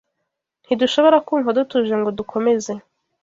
Ntidushobora kumva dutuje ngo dukomeze